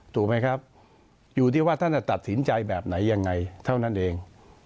ถูกไหมครับอยู่ที่ว่าท่านจะตัดสินใจแบบไหนยังไงเท่านั้นเอง